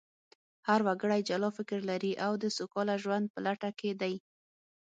هر وګړی جلا فکر لري او د سوکاله ژوند په لټه کې دی